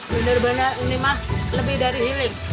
bener bener ini mah lebih dari healing